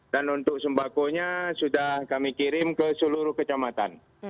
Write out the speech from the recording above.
dan untuk sembakonya sudah kami kirim ke seluruh kecamatan